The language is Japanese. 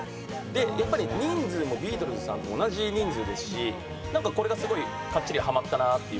で人数もビートルズさんと同じ人数ですしこれがすごいかっちりはまったなっていう。